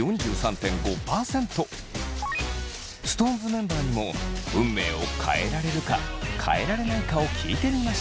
メンバーにも運命を変えられるか変えられないかを聞いてみました。